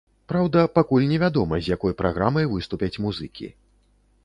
Праўда, пакуль не вядома, з якой праграмай выступяць музыкі.